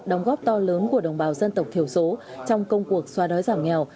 đóng góp to lớn của đồng bào dân tộc thiểu số trong công cuộc xóa đói giảm nghèo